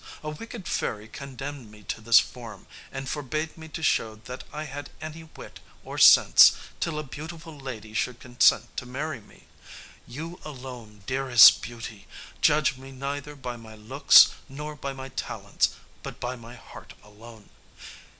"A wicked fairy condemned me to this form, and forbade me to show that I had any wit or sense till a beautiful lady should consent to marry me. You alone, dearest Beauty, judged me neither by my looks nor by my talents, but by my heart alone.